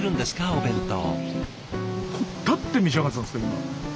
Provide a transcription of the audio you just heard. お弁当。